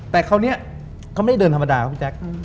แต่คราวนี้เขาไม่ได้เดินธรรมดาครับพี่แจ๊ค